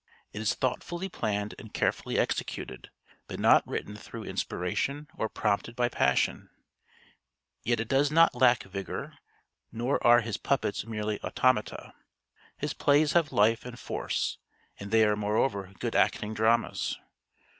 It is thoughtfully planned and carefully executed, but not written through inspiration or prompted by passion. Yet it does not lack vigor, nor are his puppets merely automata. His plays have life and force; and they are moreover good acting dramas.